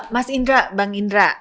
mas indra bang indra